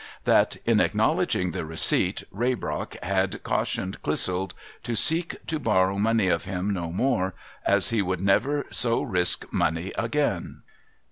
That, in acknowledging the receipt, Raybrock had LAWRENCE CLISSOLD ^45 cautioned Clissold to seek to borrow money of him no more, as he would never so risk money again.